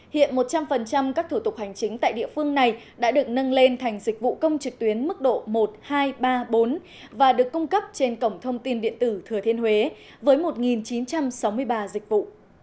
hiện một trăm linh các thủ tục hành chính tại địa phương này đã được nâng lên thành dịch vụ công trực tuyến mức độ một nghìn hai trăm ba mươi bốn và được cung cấp trên cổng thông tin điện tử thừa thiên huế với một chín trăm sáu mươi ba dịch vụ